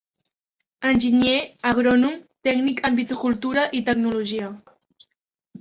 Enginyer agrònom, tècnic en viticultura i tecnologia.